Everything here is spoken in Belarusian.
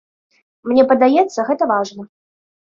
Мне падаецца, гэта важна.